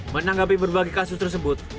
menanggapi berbagai kasus tersebut